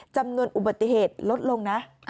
จำนวนอุบัติเหตุลดลงนะ